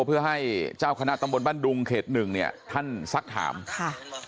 เพื่อให้เจ้าคณะตำบลบ้านดุงเขตหนึ่งเนี่ยท่านซักถามค่ะ